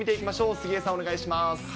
杉江さん、お願いします。